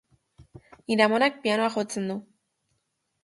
Nire amonak pianoa jotzen du